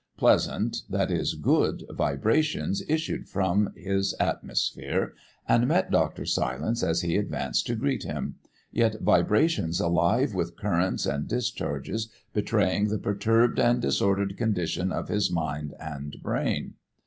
Pleasant that is, good vibrations issued from his atmosphere and met Dr. Silence as he advanced to greet him, yet vibrations alive with currents and discharges betraying the perturbed and disordered condition of his mind and brain.